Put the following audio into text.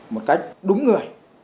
một cách đúng người